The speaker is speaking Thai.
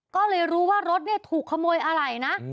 ก็เลยรู้ว่ารถเนี่ยถูกขโมยอะไรนะ